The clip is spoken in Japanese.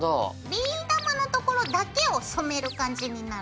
ビー玉のところだけを染める感じになる。